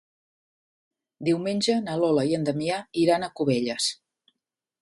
Diumenge na Lola i en Damià iran a Cubelles.